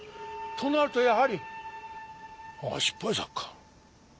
となるとやはり失敗作か。